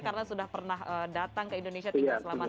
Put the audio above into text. karena sudah pernah datang ke indonesia tinggal selama tiga bulan